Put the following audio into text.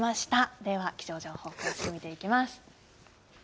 では、気象情報、詳しく見ていきます。